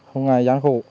hôm nay gián khổ